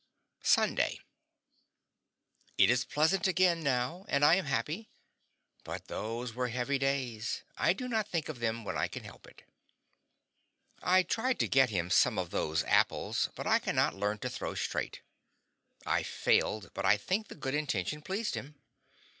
SUNDAY. It is pleasant again, now, and I am happy; but those were heavy days; I do not think of them when I can help it. I tried to get him some of those apples, but I cannot learn to throw straight. I failed, but I think the good intention pleased him.